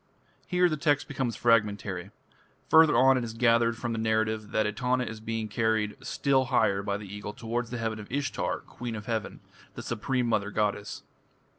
Here the text becomes fragmentary. Further on it is gathered from the narrative that Etana is being carried still higher by the Eagle towards the heaven of Ishtar, "Queen of Heaven", the supreme mother goddess.